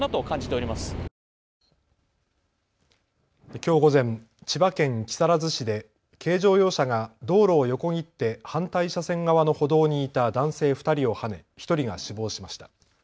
きょう午前、千葉県木更津市で軽乗用車が道路を横切って反対車線側の歩道にいた男性２人をはね、１人が死亡しました。